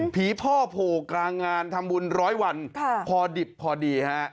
พ่อโผล่กลางงานทำบุญร้อยวันพอดิบพอดีฮะ